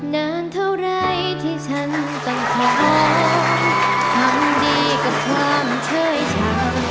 นานเท่าไรที่ฉันต้องขอทำดีกับความเช่ชา